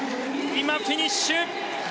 今、フィニッシュ！